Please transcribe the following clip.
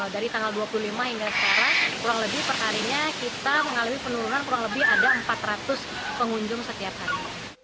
dari tanggal dua puluh lima hingga sekarang kurang lebih perharinya kita mengalami penurunan kurang lebih ada empat ratus pengunjung setiap hari